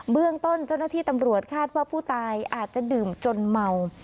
เรื่องต้นเจ้าหน้าที่ตำรวจคาดว่าผู้ตายอาจจะดื่มจนเมา